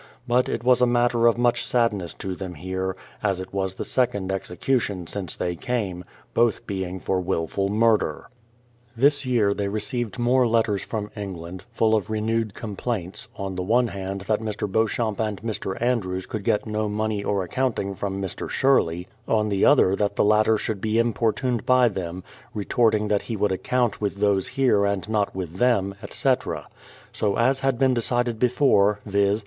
But it was a matter of much sadness to them here, as it was the second execution since they came, — both being for wilful murder. This year they received more letters from England, full of renewed complaints, on the one hand that Mr. Beau champ and Mr. Andrews could get no money or account ing from Mr. Sherley, on the other that the latter should be importuned by them, retorting that he would account with those here and not with them, etc. So, as had been decided before, viz.